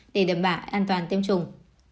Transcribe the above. để đẩm bả an toàn tiêm chủng